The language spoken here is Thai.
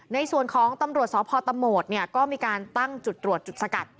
ในส่วนของตำรวจสพตะโหมดก็มีการตั้งจุดตรวจจุดสกัด